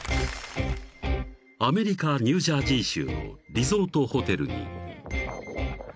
［ニュージャージー州のリゾートホテルに］